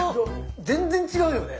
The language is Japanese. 全然違うよね。